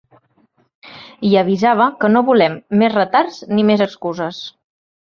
I avisava que ‘no volem més retards ni més excuses’.